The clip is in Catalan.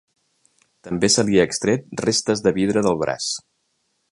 També se li ha extret restes de vidre del braç.